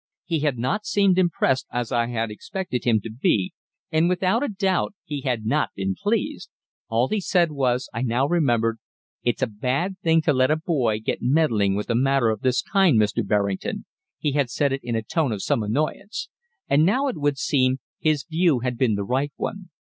He had not seemed impressed, as I had expected him to be, and without a doubt he had not been pleased. All he had said was, I now remembered: "It's a bad thing to let a boy get meddling with a matter of this kind, Mr. Berrington" he had said it in a tone of some annoyance. And now, it would seem, his view had been the right one.